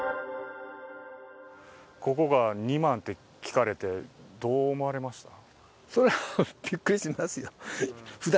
ここが２万と聞かれて、どう思われましたか？